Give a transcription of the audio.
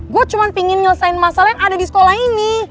gue cuma pengen nyelesain masalah yang ada di sekolah ini